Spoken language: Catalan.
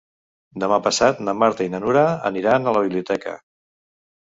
Demà passat na Marta i na Nura aniran a la biblioteca.